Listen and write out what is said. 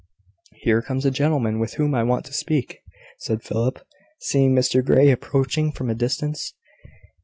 "Here comes a gentleman with whom I want to speak," said Philip, seeing Mr Grey approaching from a distance.